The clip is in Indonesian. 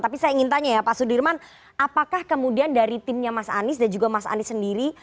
tapi saya ingin tanya ya pak sudirman apakah kemudian dari timnya mas anies dan juga mas anies sendiri